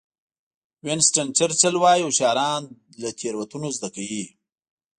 وینسټن چرچل وایي هوښیاران له تېروتنو زده کوي.